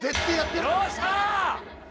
よっしゃ！